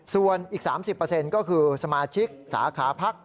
ส่วนอีก๓๐ก็คือสมาชิกสาขาพัก